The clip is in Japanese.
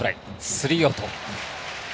スリーアウト。